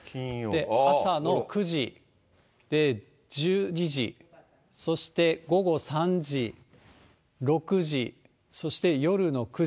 朝の９時で、１２時、そして午後３時、６時、そして夜の９時。